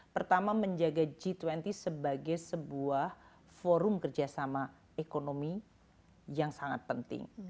pertama menjaga g dua puluh sebagai sebuah forum kerjasama ekonomi yang sangat penting